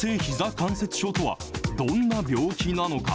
関節症とはどんな病気なのか。